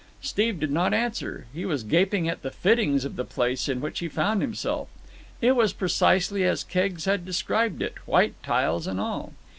Steve did not answer. He was gaping at the fittings of the place in which he found himself. It was precisely as Keggs had described it, white tiles and all.